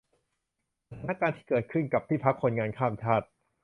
สถานการณ์ที่เกิดขึ้นกับที่พักคนงานข้ามชาติ